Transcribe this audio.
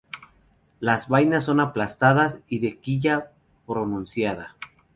Las vainas son aplastadas y de quilla pronunciada.